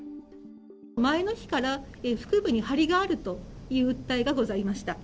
前の日から腹部に張りがあるという訴えがございました。